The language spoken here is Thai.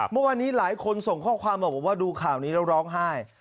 เมื่อวานนี้หลายคนส่งข้อความมาบอกว่าดูข่าวนี้แล้วร้องไห้